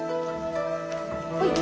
はい。